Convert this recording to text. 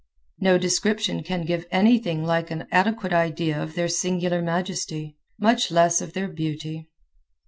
No description can give anything like an adequate idea of their singular majesty, much less of their beauty.